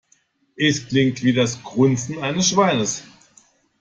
Es klingt wie das Grunzen eines Schweins.